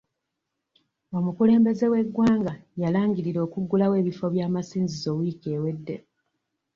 Omukulembeze w'eggwanga yalangirira okugulawo ebifo by'amasinzizo wiiki ewedde.